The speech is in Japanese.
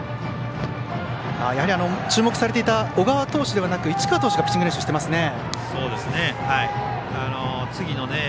注目されていた小川投手ではなく市川投手がピッチング練習をしていますね。